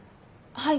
はい。